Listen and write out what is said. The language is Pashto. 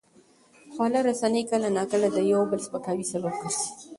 خواله رسنۍ کله ناکله د یو بل د سپکاوي سبب ګرځي.